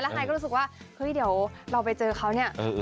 ไฮก็รู้สึกว่าเฮ้ยเดี๋ยวเราไปเจอเขาเนี่ย